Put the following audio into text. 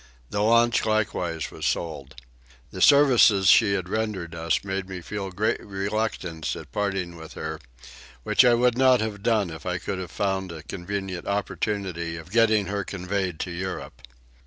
The launch likewise was sold. The services she had rendered us made me feel great reluctance at parting with her; which I would not have done if I could have found a convenient opportunity of getting her conveyed to Europe.